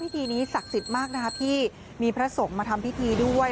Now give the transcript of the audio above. ที่มีพระศกมาทำพอีธีด้วย